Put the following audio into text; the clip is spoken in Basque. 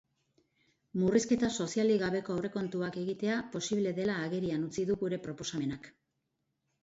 Murrizketa sozialik gabeko aurrekontuak egitea posible dela agerian utzi du gure proposamenak.